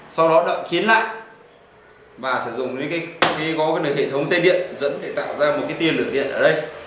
sau đó đậu kiến lại và sử dụng hệ thống xây điện dẫn để tạo ra một cái tiên lửa điện ở đây